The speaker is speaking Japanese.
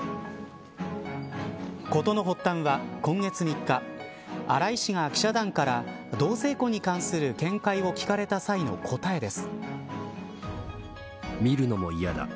事の発端は今月３日荒井氏が記者団から同性婚に関する見解を聞かれた際の答えです。